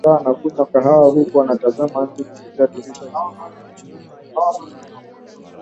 Akawa anakunywa kahawa huku ametazama nje kupitia dirisha aliposimama